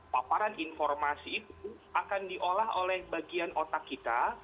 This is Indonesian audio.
paparan informasi itu akan diolah oleh bagian otak kita